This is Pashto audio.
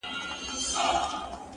شاعر باید درباري نه وي،